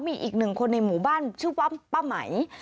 มีอีกหนึ่งคนในหมู่บ้านชื่อว่าป้าไหม